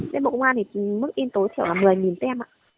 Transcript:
tên bộ công an thì mức in tối thiểu là một mươi tem